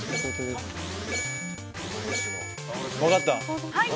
分かった。